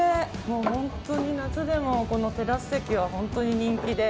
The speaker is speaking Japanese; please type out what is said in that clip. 本当に夏でもテラス席は本当に人気で。